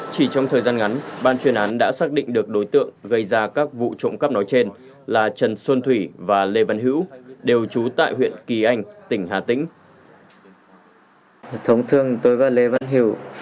chỉ trong thời gian ngắn ban chuyên án đã xác định được đối tượng gây ra các vụ trộm cắp nói trên là trần xuân thủy và lê văn hữu đều trú tại huyện kỳ anh tỉnh hà tĩnh